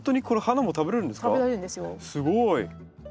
すごい！